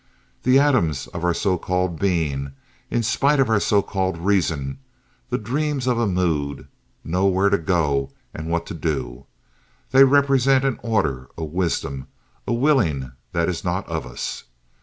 The atoms of our so called being, in spite of our so called reason—the dreams of a mood—know where to go and what to do. They represent an order, a wisdom, a willing that is not of us.